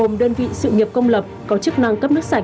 nhân vị sự nghiệp công lập có chức năng cấp nước sạch